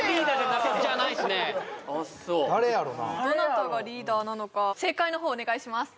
どなたがリーダーなのか正解の方お願いします